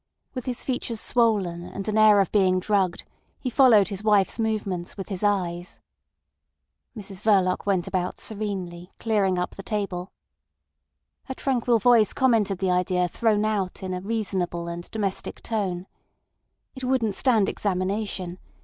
With his features swollen and an air of being drugged, he followed his wife's movements with his eyes. Mrs Verloc went about serenely, clearing up the table. Her tranquil voice commented the idea thrown out in a reasonable and domestic tone. It wouldn't stand examination.